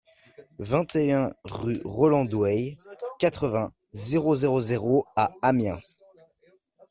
vingt et un rue Roland Douay, quatre-vingts, zéro zéro zéro à Amiens